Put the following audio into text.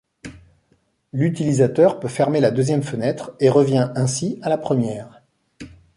L'utilisateur peut fermer la deuxième fenêtre et revient ainsi à la première.